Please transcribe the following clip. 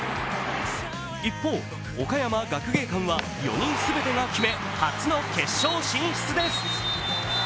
一方、岡山学芸館は４人全てが決め初の決勝進出です。